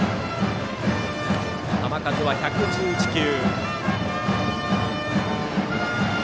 球数は１１１球。